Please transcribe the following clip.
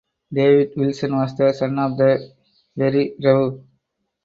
David Wilson was the son of the Very Rev.